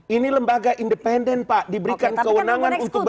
ini lembaga independen pak diberikan kewenangan untuk berpen